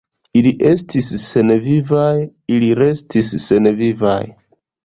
Ili estis senvivaj, ili restis senvivaj!